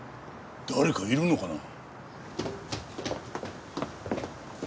誰かいるのかな？